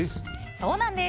そうなんです。